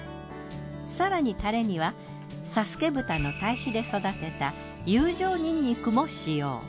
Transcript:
更にタレには佐助豚のたい肥で育てた友情にんにくも使用。